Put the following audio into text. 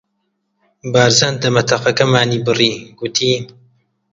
بارزان دەمەتەقەکەمانی بڕی، گوتی: